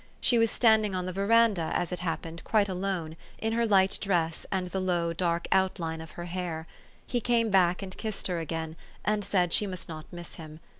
She was standing on the veranda, as it happened, quite alone, in her light dress, and the low, dark outline of her* hair: he came back, and kissed her again, and said she must not miss him.